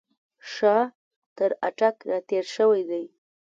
شاه تر اټک را تېر شوی دی.